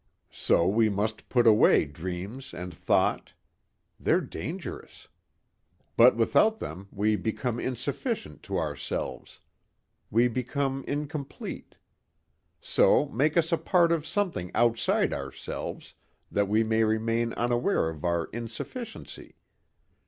So we must put away dreams and thought. They're dangerous. But without them we become insufficient to ourselves. We become incomplete. So make us a part of something outside ourselves that we may remain unaware of our insufficiency.